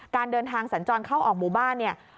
การเดินทางสัญจรเข้าออกหมู่บ้านเนี่ย